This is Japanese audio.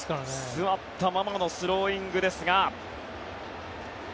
座ったままのスローイングですが。